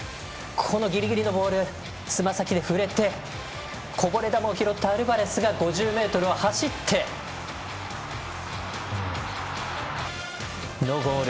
ギリギリのボールにつま先で触れてこぼれ球を拾ったアルバレスが５０ｍを走ってのゴール。